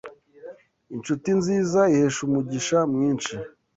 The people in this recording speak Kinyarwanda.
Inshuti nziza ihesha umugisha mwinshi